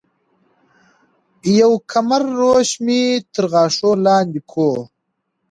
يو کمر روش مي تر غاښو لاندي کو